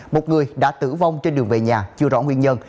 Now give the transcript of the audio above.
một người đã tử vong trên đường về nhà chưa rõ nguyên nhân